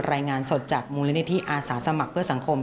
รายงานสดจากมูลนิธิอาสาสมัครเพื่อสังคม